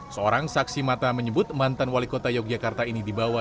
seorang saksi mata menyebut mantan wali kota yogyakarta ini dibawa